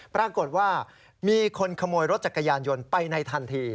ปรากฏว่ามีคนขโมยรถจักรยานยนต์ไปในทันที